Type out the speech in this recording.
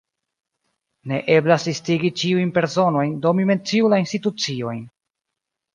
Ne eblas listigi ĉiujn personojn, do mi menciu la instituciojn.